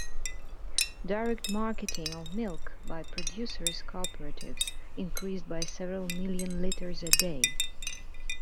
Direct marketing of milk by producers' cooperatives increased by several million liters a day.